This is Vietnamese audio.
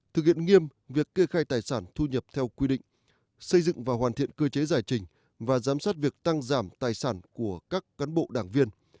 thực hiện nghiêm việc kê khai tài sản thu nhập theo quy định xây dựng và hoàn thiện cơ chế giải trình và giám sát việc tăng giảm tài sản của các cán bộ đảng viên